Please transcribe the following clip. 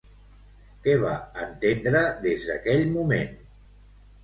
Què va entendre des d'aquell moment?